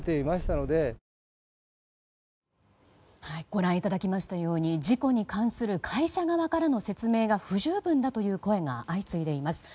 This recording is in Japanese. ご覧いただいたように事故に関する会社側からの説明が不十分だという声が相次いでいます。